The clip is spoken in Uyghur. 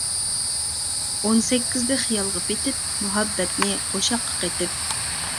ئون سەككىزدە خىيالغا پېتىپ، مۇھەببەتنى قوشاققا قېتىپ.